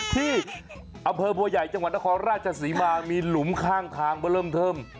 ที่อำเภอบัวใหญ่จังหวัดนครราชศรีมามีหลุมข้างทางมาเริ่มเทิม